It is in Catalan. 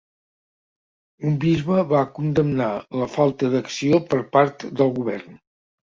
Un bisbe va condemnar la falta d'acció per part del Govern.